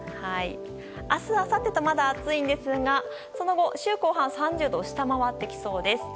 明日、あさってとまだ暑いんですがその後、週後半は３０度を下回りそうです。